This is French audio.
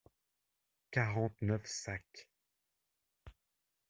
Quarante-neuf sacs.